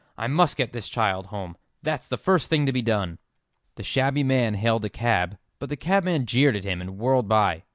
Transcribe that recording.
I must get this child home; that's the first thing to be done." The shabby man hailed a cab, but the cabman jeered at him and whirled by.